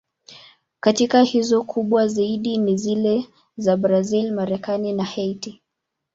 Katika hizo, kubwa zaidi ni zile za Brazil, Marekani na Haiti.